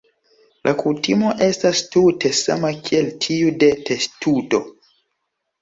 La kutimo estas tute sama kiel tiu de testudo.